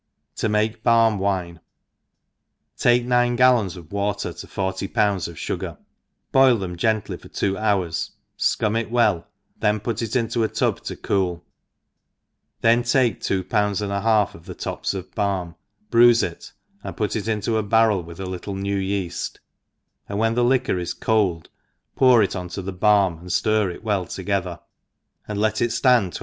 TV make BAlm Wine. TAKE nine gallons of water to forty pounds of fugar, boil them gently for two hours, fcum it well, then put it into a tub to cool, then take two pounds and a h^lf of the tops of bal», bruiie it, and put it into a barrel with a little new yell, and when the liqpor is coId» pour it oa thQ balin, ftir it w^U together, apd let it (land tw?